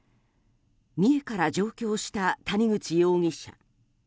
三重から上京した谷口容疑者。